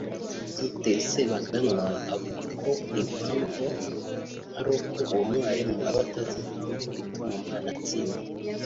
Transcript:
Dr Sebaganwa avuga ko impamvu ari uko uwo mwarimu aba atazi impamvu ituma uwo mwana atsindwa